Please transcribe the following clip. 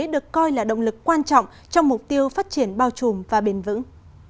được coi là động lực quan trọng trong mục tiêu phát triển bao trùm và bền vững